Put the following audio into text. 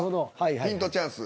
ヒントチャンス。